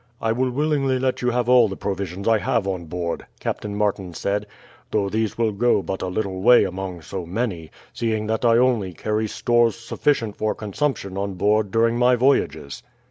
"I will willingly let you have all the provisions I have on board," Captain Martin said; "though these will go but a little way among so many, seeing that I only carry stores sufficient for consumption on board during my voyages."